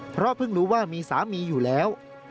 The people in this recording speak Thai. เพราะเพิ่งรู้ว่ามีสามีอยู่แล้ว